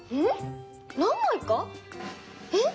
えっ